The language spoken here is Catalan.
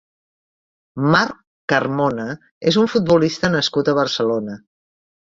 Marc Carmona és un futbolista nascut a Barcelona.